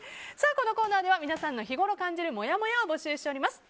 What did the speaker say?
このコーナーでは皆さんの日ごろ感じるもやもやを募集しております。